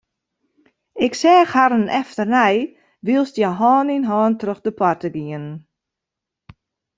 Ik seach harren efternei wylst hja hân yn hân troch de poarte giene.